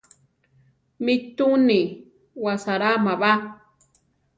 Mi túu ni wasaráma ba.